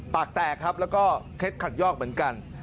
ปากแตกครับแล้วก็เคล็ดขัดยอกเหมือนกัน